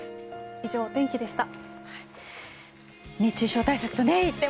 以上、お天気でした。